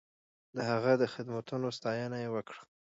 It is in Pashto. د هغه د خدماتو ستاینه یې وکړه.